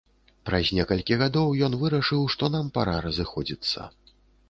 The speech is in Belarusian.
Праз некалькі гадоў ён вырашыў, што нам пара разыходзіцца.